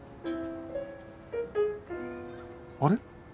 あれ？